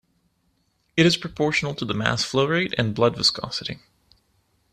It is proportional to the mass flow rate and blood viscosity.